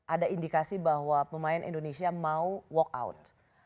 ada indikasi bahwa pemain indonesia mau walk out